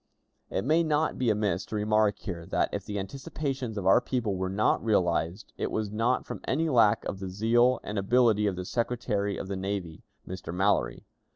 It may not be amiss to remark here that, if the anticipations of our people were not realized, it was not from any lack of the zeal and ability of the Secretary of the Navy, Mr. Mallory.